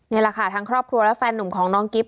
นี่แหละค่ะทางครอบครัวและแฟนหนุ่มของน้องกิ๊บ